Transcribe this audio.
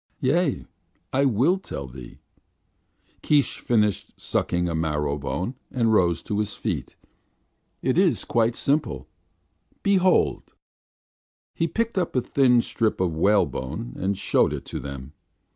"Yea, I will tell thee." Keesh finished sucking a marrow bone and rose to his feet. "It is quite simple. Behold!" He picked up a thin strip of whalebone and showed it to them.